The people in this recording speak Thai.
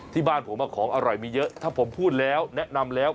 ที่บ้านผมของอร่อยมีเยอะถ้าผมพูดแล้วแนะนำแล้ว